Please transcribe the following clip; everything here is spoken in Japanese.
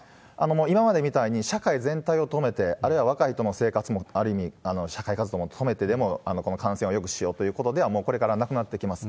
もう今までみたいに、社会全体を止めて、あるいは若い人の生活も、ある意味、社会活動も止めてでも、この感染を抑止しようということでは、もうこれからはなくなってきます。